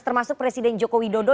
termasuk presiden joko widodo